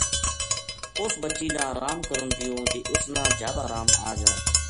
اس بچی نا آرام کرن دیوں جے اس نا جھب آرام آ جائے